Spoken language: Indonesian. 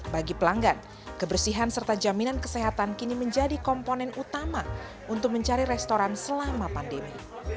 bagi pelanggan kebersihan serta jaminan kesehatan kini menjadi komponen utama untuk mencari restoran selama pandemi